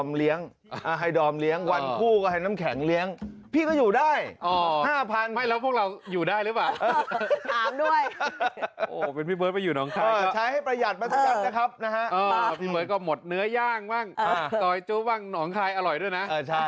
เป็นพี่เบิร์ดมาอยู่น้องคลายใช้ให้ประหยัดมาสักครั้งนะครับนะฮะพี่เบิร์ดก็หมดเนื้อย่างบ้างจอยจุ๊บบ้างน้องคลายอร่อยด้วยนะ